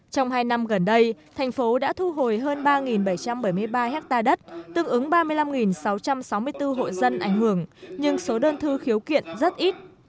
trong hai năm gần đây thành phố đã thu hồi hơn ba bảy trăm bảy mươi ba hectare đất tương ứng ba mươi năm sáu trăm sáu mươi bốn hộ dân ảnh hưởng nhưng số đơn thư khiếu kiện rất ít